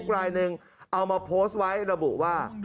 ไลน์นึงเอามาโพสต์ไว้ระบู่ว่า